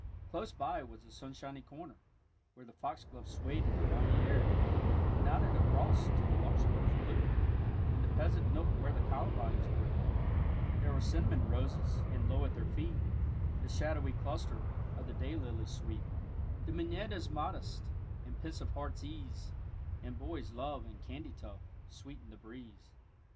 Close by was the sunshiny corner, where The foxgloves swayed in the balmy air, And nodded across to the larkspurs blue, And the pleasant nook where the columbines grew. There were cinnamon roses, and, low at their feet, The shadowy cluster of day lilies sweet, 30 THE NAECISSUS AND TULIP And mignonette modest, and pensive heart 's ease, And boy's love, and candytuft, sweet in the breeze.